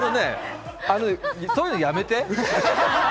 そういうのやめて！